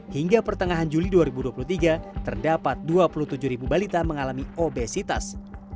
hingga pertengahan juli dua ribu dua puluh tiga terdapat dua puluh tujuh ribu balita mengalami obesitas